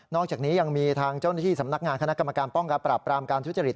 อกจากนี้ยังมีทางเจ้าหน้าที่สำนักงานคณะกรรมการป้องกันปรับปรามการทุจริต